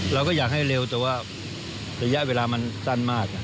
เราก็อยากให้เร็วแต่ว่าระยะเวลามันสั้นมาก